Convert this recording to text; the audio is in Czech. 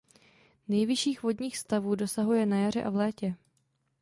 Nejvyšších vodních stavů dosahuje na jaře a v létě.